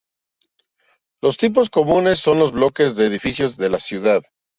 Los tipos comunes son los bloques de edificios de la ciudad.